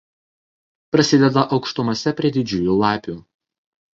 Prasideda aukštumose prie Didžiųjų Lapių.